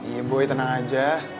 iya boy tenang aja